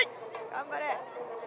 頑張れ！